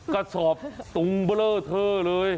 กระสอบตุงเบลอเทอร์เลย